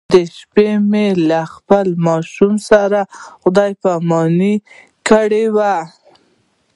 د شپې مې له خپلو ماشومانو سره خدای پاماني کړې وه.